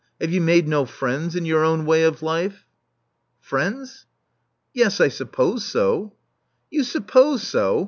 Have you made no friends in your own way of life?" •* Friends? Yes, I suppose so." You suppose so !